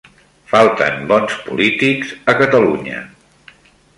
Falten bons polítics a Catalunya.